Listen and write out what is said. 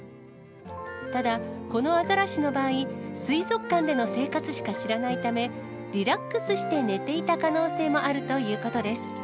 ただ、このアザラシの場合、水族館での生活しか知らないため、リラックスして寝ていた可能性もあるということです。